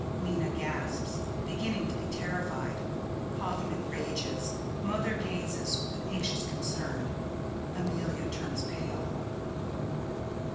[_Minna gasps, beginning to be terrified. Hoffman rages. Mother gazes with anxious concern. Amelia turns pale.